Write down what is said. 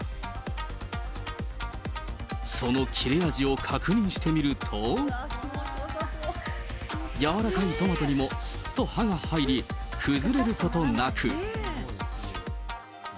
その切れ味を確認してみると、軟らかいトマトにもすっと刃が入り、崩れることなく。